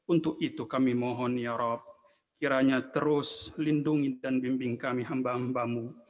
untuk itu kami mohon ya rab kiranya terus lindungi dan bimbing kami hambamu